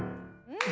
うん。